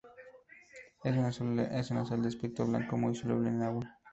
Es una sal de aspecto blanco muy soluble en agua.